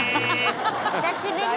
久しぶり！